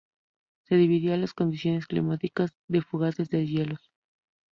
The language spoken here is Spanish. Se debió a las condiciones climáticas de fugaces deshielos.